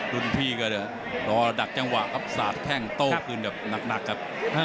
รุ่นพี่ก็เลยรอดักจังหวะครับสาดแข้งโต้คืนแบบหนักครับ